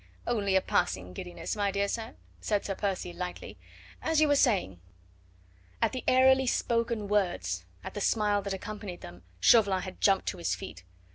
"Only a passing giddiness, my dear sir," said Sir Percy lightly. "As you were saying " At the airily spoken words, at the smile that accompanied them, Chauvelin had jumped to his feet.